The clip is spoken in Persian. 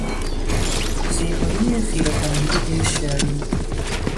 زیبایی خیره کنندهی شری